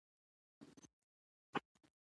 زلفې يې ښکاره کړې